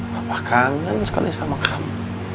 bapak kangen sekali sama kamu